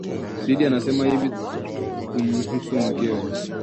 Sidi anasema hivi kumhusu mkewe